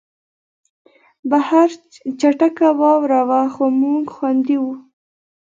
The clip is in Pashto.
بهر چټکه واوره وه خو موږ خوندي وو